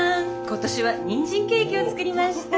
今年はにんじんケーキを作りました。